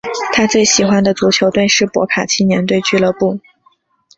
他最喜欢的足球队是博卡青年队俱乐部。